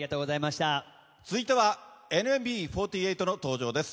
続いてはＮＭＢ４８の登場です。